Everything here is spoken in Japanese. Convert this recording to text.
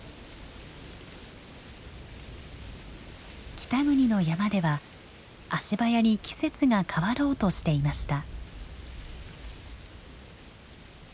北国の山では足早に季節が変わろうとしていました。